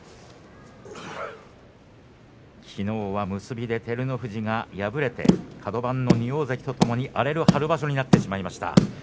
きのうは結びで照ノ富士が敗れてカド番の２大関とともに荒れる春場所になってしまいました。